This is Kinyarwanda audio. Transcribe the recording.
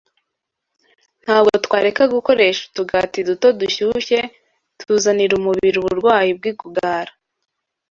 Ntabwo twareka gukoresha utugati duto dushyushye tuzanira umubiri uburwayi bw’igugara?